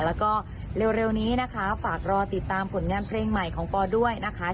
แล้วก็เร็วนี้นะคะฝากรอติดตามผลงานเพลงใหม่ของปอด้วยนะคะ